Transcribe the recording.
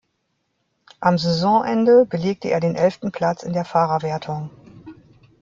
Am Saisonende belegte er den elften Platz in der Fahrerwertung.